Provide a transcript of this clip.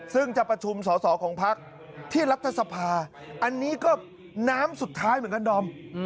ซึ่งจะประชุมสอสอของพักที่รัฐสภาอันนี้ก็น้ำสุดท้ายเหมือนกันดอม